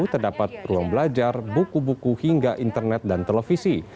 terdapat ruang belajar buku buku hingga internet dan televisi